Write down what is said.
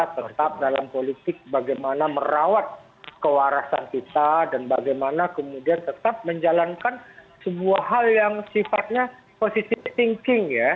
tetap dalam politik bagaimana merawat kewarasan kita dan bagaimana kemudian tetap menjalankan sebuah hal yang sifatnya positive thinking ya